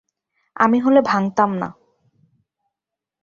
আমি হলে ভাঙ্গতাম না।